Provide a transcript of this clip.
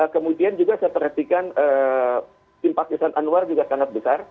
kemudian juga saya perhatikan simpatisan anwar juga sangat besar